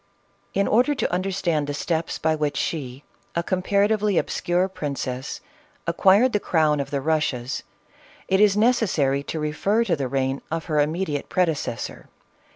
In order to understand the steps, by which she, a comparatively obscure princess, acquired the crown of the Eussias, it is necessary to refer to the reign of her immediate predecessor.